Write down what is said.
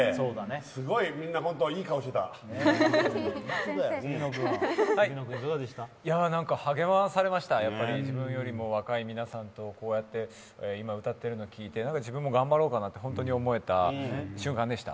すごい、みんな本当にいい顔してたやっぱり励まされました、自分より若い皆さんとこうやって今歌っているのを聞いて、なんか自分も頑張ろうかなって思えた瞬間でした。